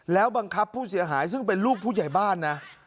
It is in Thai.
แล้วบังคับผู้เสียหายซึ่งเป็นลูกผู้ใหญ่บ้านนะ